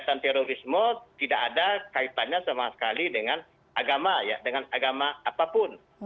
dan terorisme tidak ada kaitannya sama sekali dengan agama ya dengan agama apapun